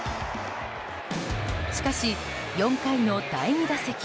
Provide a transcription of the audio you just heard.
しかし、４回の第２打席。